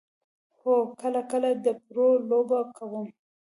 هو، کله کله د پرو لوبه کوم